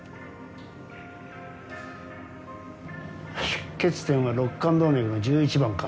出血点は肋間動脈の１１番か。